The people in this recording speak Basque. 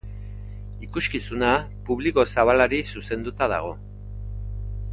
Ikuskizuna publiko zabalari zuzenduta dago.